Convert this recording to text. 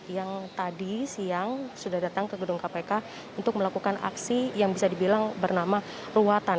yang tadi siang sudah datang ke gedung kpk untuk melakukan aksi yang bisa dibilang bernama ruatan